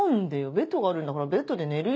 ベッドがあるんだからベッドで寝るよ。